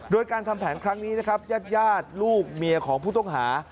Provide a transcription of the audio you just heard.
โดยการทำแผนครั้งนี้นะครับญาติญาติลูกเมียของผู้ต้องหา